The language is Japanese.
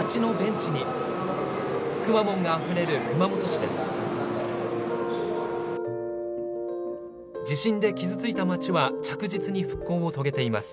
地震で傷ついた街は着実に復興を遂げています。